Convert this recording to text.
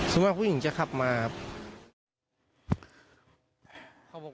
ส่วนมากผู้หญิงจะขับมาครับ